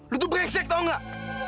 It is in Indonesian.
lo tuh breksek tau gak